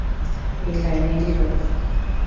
এই লাইনেরই লোক।